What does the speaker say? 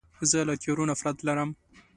زه له تیارو نفرت لرم.